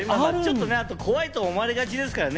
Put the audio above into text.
怖いと思われがちですからね。